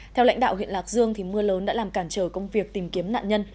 theo lãnh đạo huyện lạc dương mưa lớn đã làm cản trở công việc tìm kiếm nạn nhân